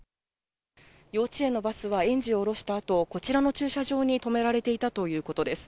幼稚園のバスは、園児を降ろしたあと、こちらの駐車場に止められていたということです。